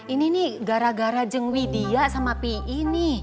ini nih gara gara jengwi dia sama pi ini